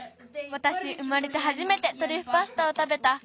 わたし生まれてはじめてトリュフパスタをたべた。